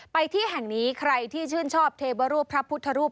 ที่แห่งนี้ใครที่ชื่นชอบเทวรูปพระพุทธรูป